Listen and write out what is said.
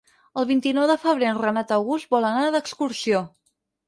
El vint-i-nou de febrer en Renat August vol anar d'excursió.